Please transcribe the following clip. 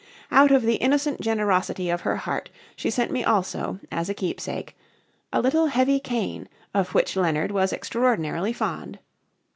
Out of the innocent generosity of her heart she sent me also, as a keepsake, "a little heavy cane, of which Leonard was extraordinarily fond."